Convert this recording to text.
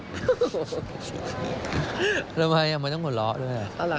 ทำไมยังไม่ต้องขนเลาะด้วย